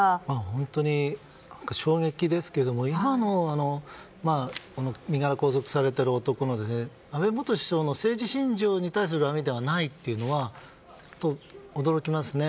本当に衝撃ですけれども今の身柄拘束されている男の言葉ですが安倍元首相の政治信条に対する恨みではないというのは驚きますね。